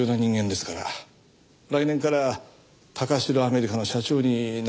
来年から貴城アメリカの社長に内定してましてね。